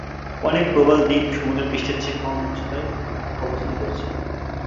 অনেক প্রবাল দ্বীপ সমুদ্রপৃষ্ঠের চেয়ে কম উচ্চতায় অবস্থান করছে।